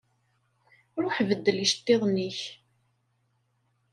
Ṛuḥ beddel iceṭṭiḍen-ik.